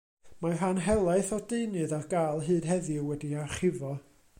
Mae rhan helaeth o'r deunydd ar gael hyd heddiw wedi'i archifo.